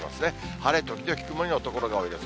晴れ時々曇りの所が多いです。